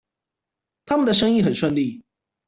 他們的生意很順利